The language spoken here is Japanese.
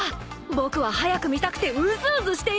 僕は早く見たくてうずうずしているよ。